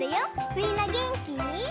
みんなげんき？